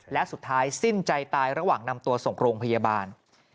และสุดท้ายสิ้นใจตายระหว่างนำตัวส่งโรงพยาบาล